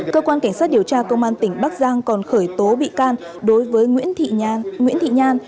cơ quan cảnh sát điều tra công an tỉnh bắc giang còn khởi tố bị can đối với nguyễn thị nguyễn thị nhan